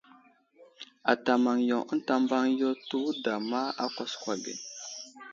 Ata maŋ yo ənta mbaŋ yo tewuda ma á kwaskwa ge.